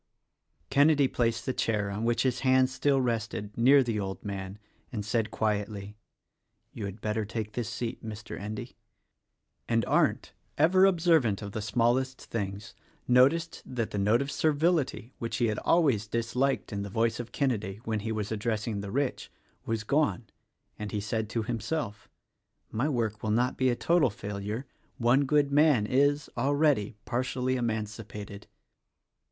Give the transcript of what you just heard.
Kenedy placed the chair on which his hand still rested, near the old man and said quietly, "You had better take this seat, Mr. Endy," and Arndt — ever observant of the smallest things — noticed that the note of servility (which he had always disliked in the voice of Kenedy — when he was addressing the rich) was gone; and he said to himself, "My work will not be a total failure: one good man is, already, partially emancipated."